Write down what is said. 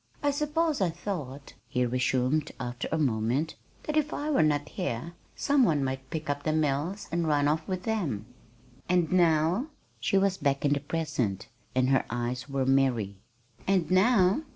"I suppose I thought," he resumed after a moment, "that if I were not here some one might pick up the mills and run off with them." "And now?" She was back in the present, and her eyes were merry. "And now?